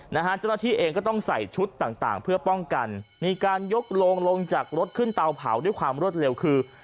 เจ้าหน้าที่เองก็ต้องใส่ชุดต่างต่างเพื่อป้องกันมีการยกโลงลงจากรถขึ้นเตาเผาด้วยความรวดเร็วคือ